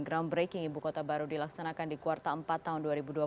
groundbreaking ibu kota baru dilaksanakan di kuartal empat tahun dua ribu dua puluh